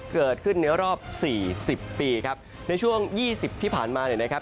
เกิดขึ้นในรอบ๔๐ปีครับในช่วง๒๐ที่ผ่านมาเนี่ยนะครับ